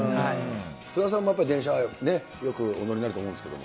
菅原さんも電車、よくお乗りになると思うんですけど。